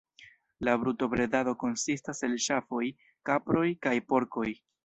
La brutobredado konsistas el ŝafoj, kaproj kaj porkoj.